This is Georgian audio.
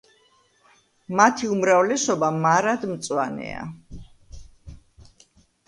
მათი უმრავლესობა მარადმწვანეა.